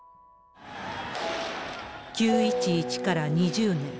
９・１１から２０年。